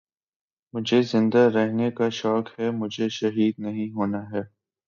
مجھے زندہ رہنے کا شوق ہے مجھے شہید نہیں ہونا ہے